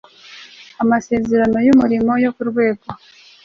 Amasezerano y umurimo yo ku rwego